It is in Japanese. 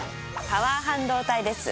パワー半導体です。